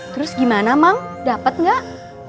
terus gimana mang dapat nggak